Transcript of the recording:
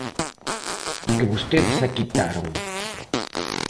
Que vostedes a quitaron.